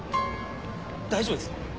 大丈夫ですか？